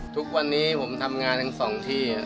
ทุกวันนี้ผมทำงานทั้งสองที่